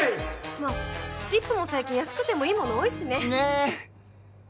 まっリップも最近安くてもいいもの多いしねねー！